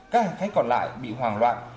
các hành khách còn lại bị hoàng loạn